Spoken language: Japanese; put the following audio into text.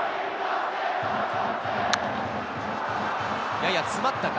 やや詰まったか。